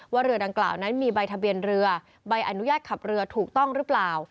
เรือดังกล่าวนั้นมีใบทะเบียนเรือใบอนุญาตขับเรือถูกต้องหรือเปล่า